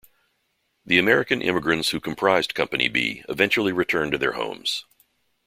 The American immigrants who comprised Company B eventually returned to their homes.